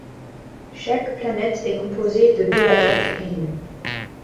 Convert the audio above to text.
Chaque planète est composée de deux à quatre îles.